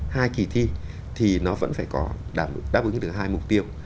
hai kỳ thi thì nó vẫn phải có đáp ứng được hai mục tiêu